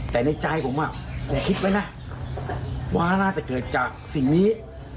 แต่ในใจผมแกคิดไว้นะว่าน่าจะเกิดจากสิ่งนี้